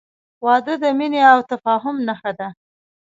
• واده د مینې او تفاهم نښه ده.